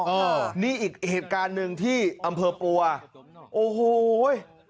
เออนี่อีกเหตุการณ์หนึ่งที่อำเภอปลัวโอ้โห